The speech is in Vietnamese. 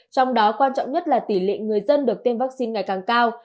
trong đó quan trọng nhất là tỷ lệ người dân được tiêm vaccine ngày càng cao